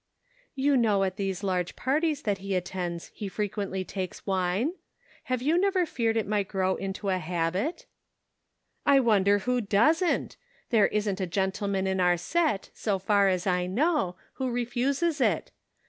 "You know at these large parties that he attends he frequently takes wine ? Have you never feared it might grow into a habit?" " I wonder who doesn't ! There isn't a gentleman in our set, so far as I know, who refuses it.